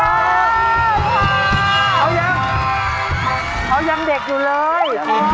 เขายังเขายังเด็กอยู่เลย